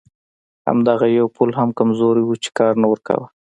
همدغه یو پل هم کمزوری و چې کار نه ورکاوه.